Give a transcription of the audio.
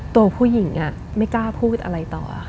ตัวผู้หญิงไม่กล้าพูดอะไรต่อค่ะ